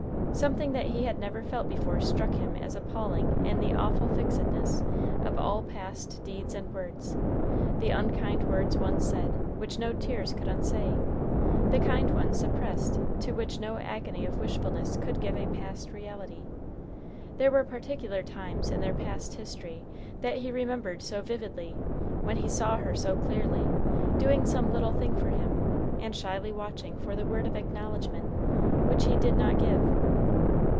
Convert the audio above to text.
Something that he had never felt before struck him as appalling in the awful fixedness of all past deeds and words, the unkind words once said, which no tears could unsay, the kind ones suppressed, to which no agony of wishfulness could give a past reality. There were particular times in their past history that he remembered so vividly, when he saw her so clearly, doing some little thing for him, and shyly watching for the word of acknowledgment, which he did not give.